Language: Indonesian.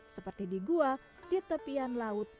seperti di gua di tepian laut